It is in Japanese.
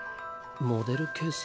モデルケース？